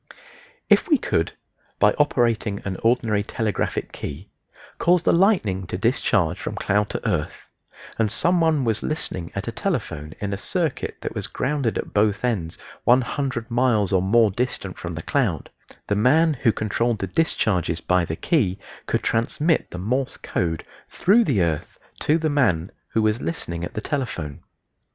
If we could, by operating an ordinary telegraphic key, cause the lightning to discharge from cloud to earth, and some one was listening at a telephone in a circuit that was grounded at both ends 100 miles or more distant from the cloud, the man who controlled the discharges by the key could transmit the Morse code through the earth to the man who was listening at the telephone.